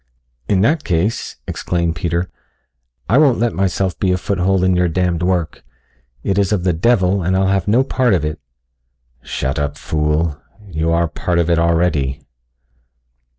"In that case," exclaimed Peter, "I won't let myself be a foothold for your damned work it is of the devil and I'll have no part of it." "Shut up, fool. You are a part of it already."